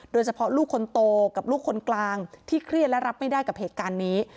ลูกคนโตกับลูกคนกลางที่เครียดและรับไม่ได้กับเหตุการณ์นี้